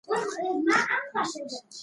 هغه ګرګین په ډېر مهارت او چل سره وغولاوه.